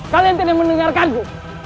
kalian tidak mendengarkanku